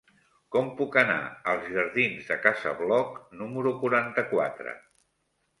Com puc anar als jardins de Casa Bloc número quaranta-quatre?